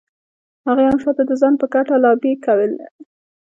هغې هم شاته د ځان په ګټه لابي کاوه.